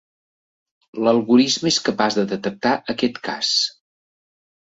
L'algorisme és capaç de detectar aquest cas.